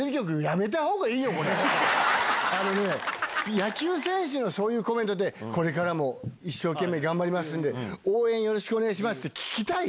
野球選手のそういうコメントでこれからも一生懸命頑張ります応援よろしくお願いしますって聞きたい？